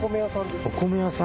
お米屋さん。